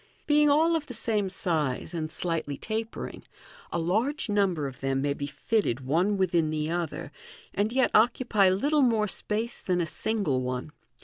Being all of the same size, and slightly tapering, a large number of them may be fitted one within the other, and yet occupy little more space than a single one.